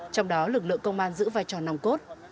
trong đó lực lượng công an giữ vai trò nòng cốt